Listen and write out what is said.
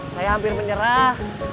saya hampir menyerah